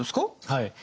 はい。